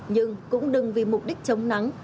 nhưng cũng đừng vì mục đích chống nắng